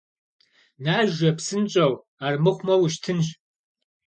Нажэ, псынщӀэу, армыхъумэ, ущтынщ.